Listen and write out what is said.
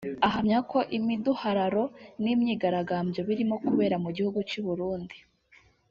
ahamya ko imiduhararo n’imyigaragambyo birimo kubera mu gihugu cy’u Burundi